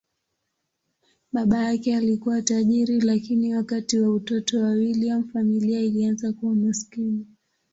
Baba yake alikuwa tajiri, lakini wakati wa utoto wa William, familia ilianza kuwa maskini.